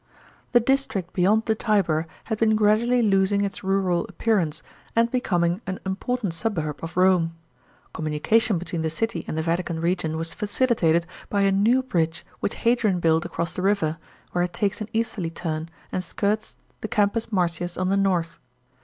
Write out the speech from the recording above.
The district beyond the Tiber had been gradually losing its rural appearance and becoming an important suburb of Rome. Com munication between the city and th^ Vatican region was facilitated by a new bridge which Hadrian built across the river, where it takes an easterly turn and skirts the Campus Manius on the north.